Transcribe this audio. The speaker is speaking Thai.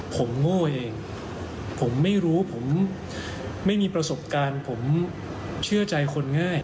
ผมโง่เองผมไม่รู้ผมไม่มีประสบการณ์ผมเชื่อใจคนง่าย